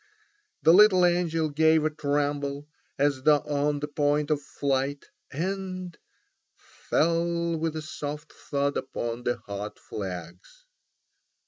The little angel gave a tremble as though on the point of flight, and—fell with a soft thud upon the hot flags.